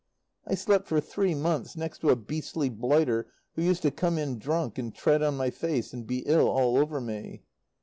I slept for three months next to a beastly blighter who used to come in drunk and tread on my face and be ill all over me.